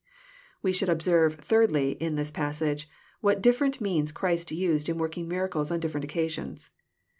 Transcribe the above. We should observe, thirdly, in this passage, what differ ent means Christ used in working miracles on different oc casions.